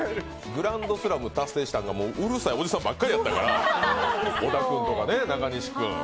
グランドスラム達成しかんがうるさいおじさんばっかりだったから小田君とか中西君。